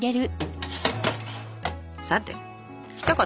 さてひと言！